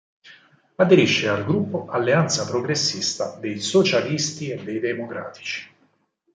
Aderisce al gruppo Alleanza Progressista dei Socialisti e dei Democratici.